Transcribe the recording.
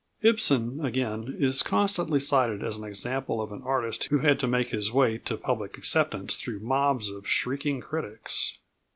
Ibsen, again, is constantly cited as an example of an artist who had to make his way to public acceptance through mobs of shrieking critics.